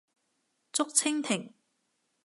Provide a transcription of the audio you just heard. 竹蜻蜓